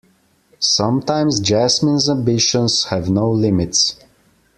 Sometimes Yasmin's ambitions have no limits.